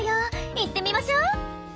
行ってみましょ！